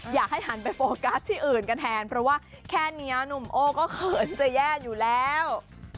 อยากให้หันไปโฟกัสที่อื่นกันแทนเพราะว่าแค่นี้หนุ่มโอ้ก็เขินจะแย่อยู่แล้ว